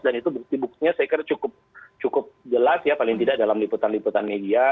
dan itu bukti buktinya saya kira cukup jelas ya paling tidak dalam liputan liputan media